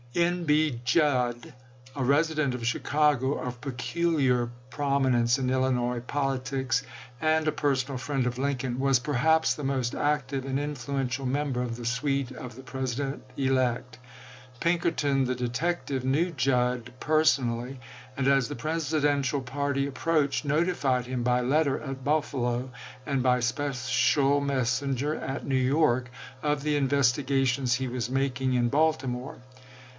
N. B. Judd, a resident of Chicago, of peculiar prominence in Illinois politics and a personal friend of Lincoln, was perhaps the most active and influen tial member of the suite of the President elect. Pink erton the detective knew Judd personally, and, as the Presidential party approached, notified him by letter at Buffalo, and by special messenger at New York, of the investigations he was making in Balti more.